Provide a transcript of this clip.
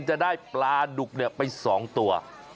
จะได้ปลาดุกไป๒ตัว